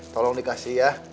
tolong dikasih ya